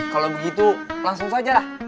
kalau begitu langsung saja